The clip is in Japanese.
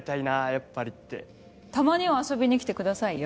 やっぱりってたまには遊びに来てくださいよ